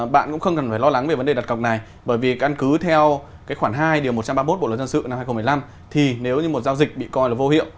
bạn cũng không cần phải lo lắng về vấn đề đặt cọc này bởi vì căn cứ theo khoảng hai điều một trăm ba mươi một bộ luật dân sự năm hai nghìn một mươi năm thì nếu như một giao dịch bị coi là vô hiệu